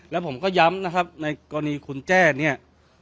และผมก็ย้ำในกรณีคุณแจ้เนี่ย